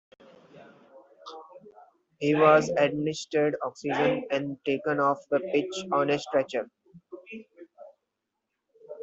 He was administered oxygen and taken off the pitch on a stretcher.